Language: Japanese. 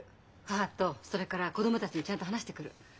母とそれから子供たちにちゃんと話してくる。